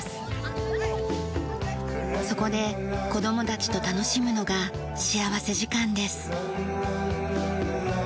そこで子供たちと楽しむのが幸福時間です。